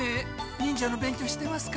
忍者の勉強してますか？